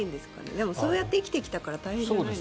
でも、そうやって生きてきたから大変じゃないのか。